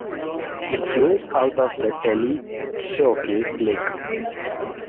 It flows out of the Teletskoye Lake.